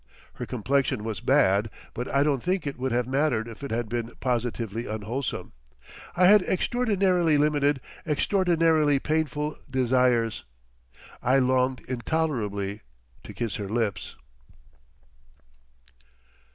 Her complexion was bad, but I don't think it would have mattered if it had been positively unwholesome. I had extraordinarily limited, extraordinarily painful, desires. I longed intolerably to kiss her lips.